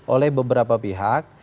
oleh beberapa pihak